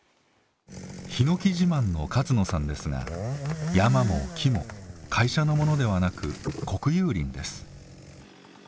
ひのき自慢の勝野さんですが山も木も会社のものではなく国有林です。